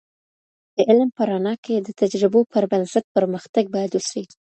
د علم په رڼا کي، د تجربو پر بنسټ پرمختګ باید وسي.